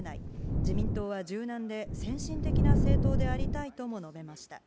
自民党は柔軟で、先進的な政党でありたいとも述べました。